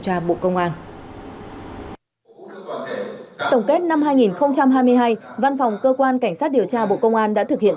tra bộ công an tổng kết năm hai nghìn hai mươi hai văn phòng cơ quan cảnh sát điều tra bộ công an đã thực hiện